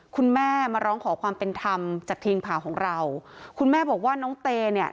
คุณแม่มาร้องขอความเป็นธรรมจากทีมข่าวของเราคุณแม่บอกว่าน้องเตเนี่ย